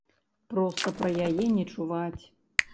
Проста пра яе не чуваць.